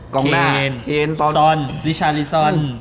กองด้าเคนซอน